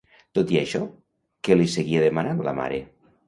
Tot i això, què li seguia demanant la mare?